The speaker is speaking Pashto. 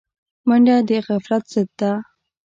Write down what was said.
منډه د غفلت ضد ده